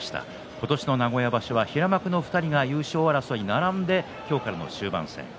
今年の名古屋場所は平幕の２人が優勝争い並んで今日からの終盤戦。